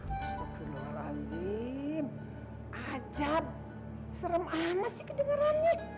bukanlah azab azab serem amat sih kedengarannya